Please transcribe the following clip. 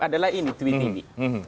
adalah ini tweet ini